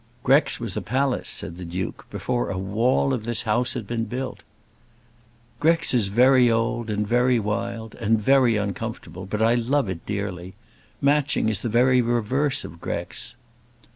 "Grex was a palace," said the Duke, "before a wall of this house had been built." "Grex is very old, and very wild, and very uncomfortable. But I love it dearly. Matching is the very reverse of Grex."